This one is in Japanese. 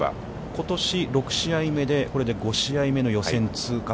ことし６試合目で、これで５試合目の予選通過。